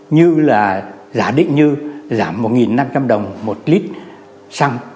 như là giả định như giảm một năm trăm linh đồng một lít xăng